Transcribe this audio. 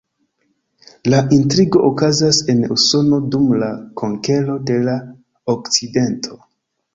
La intrigo okazas en Usono dum la konkero de la okcidento.